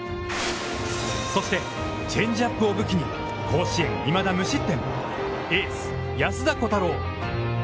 そして、チェンジアップを武器に甲子園いまだ無失点、エース安田虎汰郎。